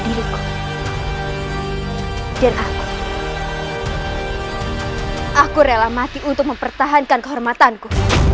diriku dan aku aku rela mati untuk mempertahankan kehormatanku